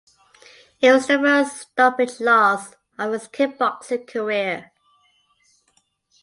It was the first stoppage loss of his kickboxing career.